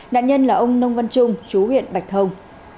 nạn nhân là ông nông văn trung chú huyện bạch thông